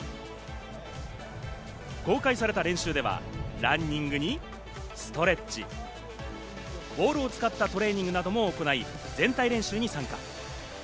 公開された練習ではランニングにストレッチ、ボールを使ったトレーニングなども行い、全体練習に参加。